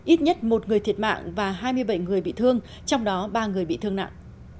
ít nhất một người thiệt mạng và hai mươi bảy người bị thương trong đó ba người bị thương nặng